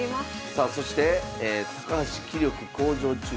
さあそして「高橋棋力向上中？